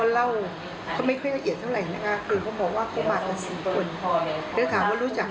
แล้วถามว่ารู้จักเขาไหมเขาบอกว่าไม่รู้จัก